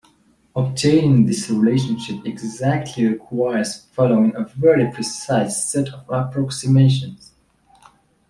Obtaining this relationship exactly requires following a very precise set of approximations.